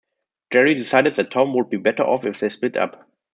Gerry decides that Tom would be better off if they split up.